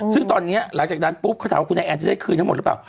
ซึ่งตอนนี้หลังจากนั้นปุ๊บเขาถามว่าคุณไอแอนจะได้คืนทั้งหมดหรือเปล่า